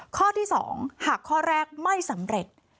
ข้อที่๒หากข้อแรกไม่สำเร็จ